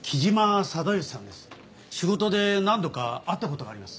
仕事で何度か会った事があります。